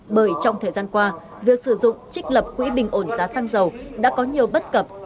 bởi trong thời gian qua việc sử dụng trích lập quỹ bình ổn giá xăng dầu đã có nhiều bất cập